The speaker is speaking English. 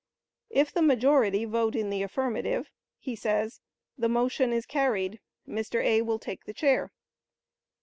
If the majority vote in the affirmative, he says, "The motion is carried; Mr. A. will take the chair."